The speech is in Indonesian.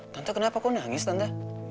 tante kenapa kok nangis tante